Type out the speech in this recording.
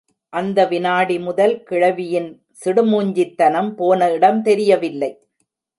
அந்த வினாடி முதல் கிழவியின் சிடுமூஞ்சித்தனம் போன இடம் தெரியவில்லை.